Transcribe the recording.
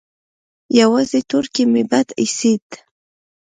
يوازې تورکى مې بد اېسېد.